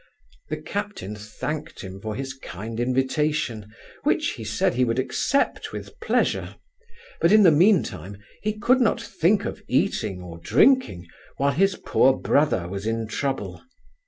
The captain thanked him for his kind invitation, which, he said, he would accept with pleasure; but in the mean time, he could not think of eating or drinking, while his poor brother was in trouble.